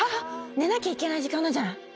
寝なきゃいけない時間なんじゃない？